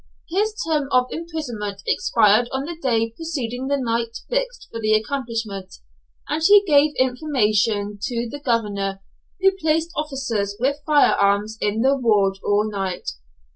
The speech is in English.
His term of imprisonment expired on the day preceding the night fixed for the accomplishment; and he gave information to the governor, who placed officers with fire arms in the ward all night.